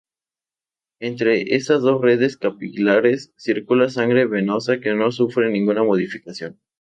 Entre estas dos redes capilares circula sangre venosa que no sufre ninguna modificación.